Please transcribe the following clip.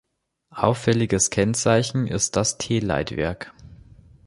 Auffälliges Kennzeichen ist das T-Leitwerk.